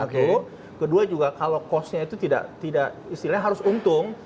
kedua juga kalau costnya itu tidak istilahnya harus untung